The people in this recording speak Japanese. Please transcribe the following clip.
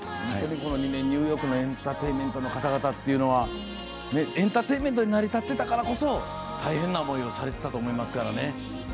本当にニューヨークのエンターテインメントの方々っていうのはエンターテインメントで成り立ってたからこそ大変な思いをしていたと思いますからね。